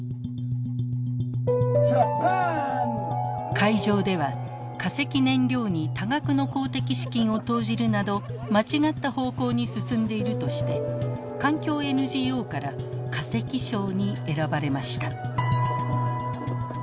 会場では化石燃料に多額の公的資金を投じるなど間違った方向に進んでいるとして環境ＮＧＯから化石賞に選ばれました。